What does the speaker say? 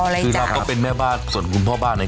คือเราก็เป็นแม่บ้านส่วนคุณพ่อบ้านเนี่ย